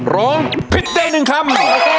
ร้องผิดได้๑คำ